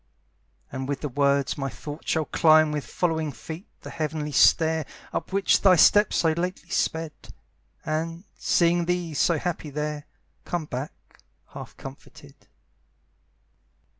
And with the words my thoughts shall climb With following feet the heavenly stair Up which thy steps so lately sped, And, seeing thee so happy there, Come back half comforted.